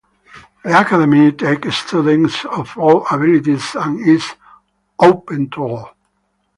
The Academy takes students of all abilities and is open to all.